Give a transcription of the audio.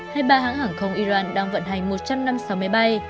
hay ba hãng hàng không iran đang vận hành một trăm năm mươi sáu máy bay